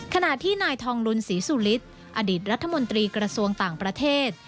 ขณะที่นายทองลุนศรีสุฤทธิ์อดีตรัฐมนตรีกระทรวงต่างประเทศ